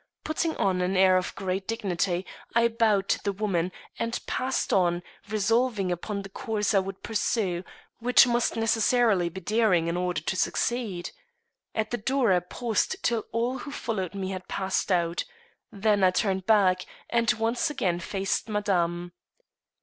Putting on an air of great dignity, I bowed to the woman and passed on, resolving upon the course I would pursue, which must necessarily be daring in order to succeed. At the door I paused till all who followed me had passed out; then I turned back, and once again faced Madame.